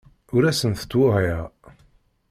Ur asent-ttwehhiɣ.